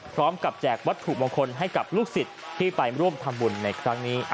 แจกวัตถุมงคลให้กับลูกศิษย์ที่ไปร่วมทำบุญในครั้งนี้